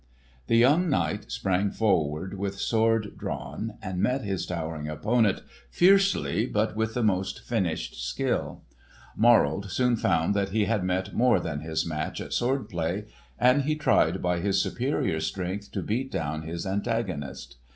The young knight sprang forward with sword drawn and met his towering opponent fiercely but with the most finished skill. Morold soon found that he had met more than his match at sword play, and he tried by his superior strength to beat down his antagonist.